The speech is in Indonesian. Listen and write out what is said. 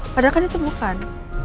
padahal kan itu bukan